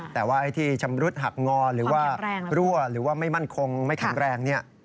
แต่ว่าไอ้ที่ชำรุดหักงอหรือว่ารั่วหรือว่าไม่มั่นคงไม่แข็งแรงเนี่ย